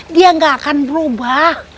dia gak akan berubah